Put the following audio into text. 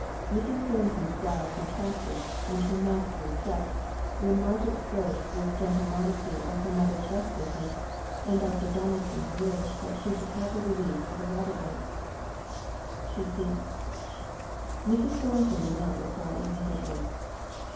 Mrs. Thornton's brow contracted, and her mouth grew set, while Margaret spoke with gentle modesty of her mother's restlessness, and Dr. Donaldson's wish that she should have the relief of a water bed. She ceased. Mrs. Thornton did not reply immediately.